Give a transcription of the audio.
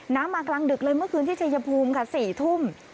มากลางดึกเลยเมื่อคืนที่ชายภูมิค่ะ๔ทุ่ม